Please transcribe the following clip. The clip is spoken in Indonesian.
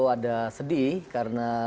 ada sedih karena